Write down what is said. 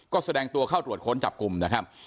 ก็แสดงตัวเข้าตรวจค้นจับกลุ่มนะครับ